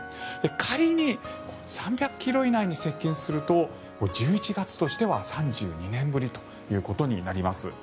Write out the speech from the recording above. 仮に３００ｋｍ以内に接近すると１１月としては３２年ぶりということになります。